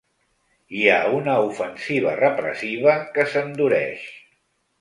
Hi ha una ofensiva repressiva que s’endureix.